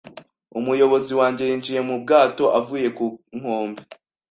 Umuyobozi wanjye yinjiye mu bwato avuye ku nkombe